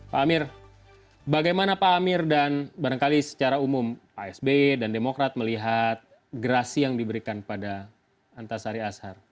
pak amir bagaimana pak amir dan barangkali secara umum pak sby dan demokrat melihat gerasi yang diberikan pada antasari ashar